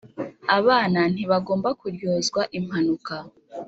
abana ntibagomba kuryozwa impanuka.